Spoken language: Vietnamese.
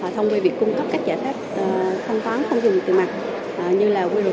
thông qua việc cung cấp các giải pháp thanh toán không dùng tiền mặt như là qr code website